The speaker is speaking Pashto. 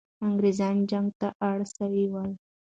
انګریزان جنگ ته اړ سول.